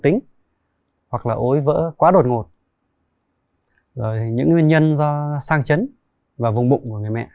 tính hoặc là ối vỡ quá đột ngột rồi những nguyên nhân do sang chấn và vùng bụng của người mẹ